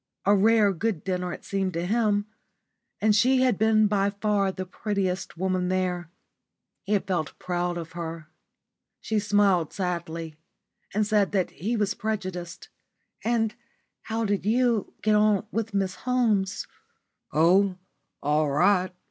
A rare good dinner, it seemed to him. And she had been by far the prettiest woman there. He had felt proud of her. She smiled sadly, and said that he was prejudiced. "And how did you get on with Miss Holmes?" "Oh, all right.